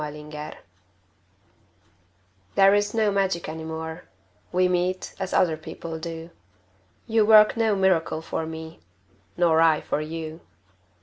After Love There is no magic any more, We meet as other people do, You work no miracle for me Nor I for you.